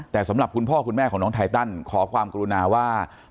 แต่สำหรับคุณพ่อคุณแม่ของน้องไทตันขอความกรุณาว่า